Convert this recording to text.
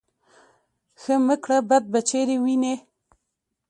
ـ ښه مه کړه بد به چېرې وينې.